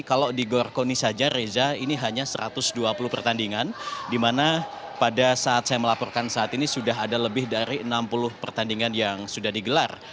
kalau di gorkoni saja reza ini hanya satu ratus dua puluh pertandingan di mana pada saat saya melaporkan saat ini sudah ada lebih dari enam puluh pertandingan yang sudah digelar